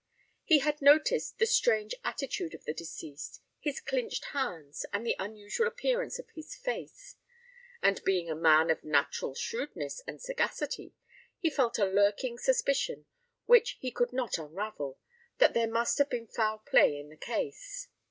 He had noticed the strange attitude of the deceased his clinched hands, and the unusual appearance of his face and being a man of natural shrewdness and sagacity, he felt a lurking suspicion which he could not unravel, that there must have been foul play in the case.